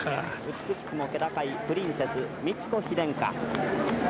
「美しくも気高いプリンセス美智子妃殿下。